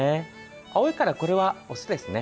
青いから、これはオスですね。